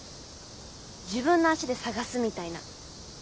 自分の足で探すみたいな。